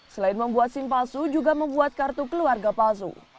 selain membuat simpalsu juga membuat kartu keluarga palsu